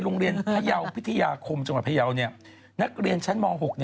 อยู่ที่ไออาคมจังหวัดพระยาวนักเรียนชั้นม้อง๖